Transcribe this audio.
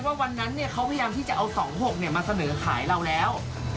๕ใบ๗๐๐อ๋อแสดงว่าวันนั้นเนี่ยเขาพยายามที่จะเอา๒๖เนี่ยมาเสนอขายเราแล้ว